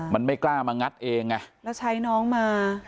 มันไม่กล้ามางัดเองไงแล้วใช้น้องมา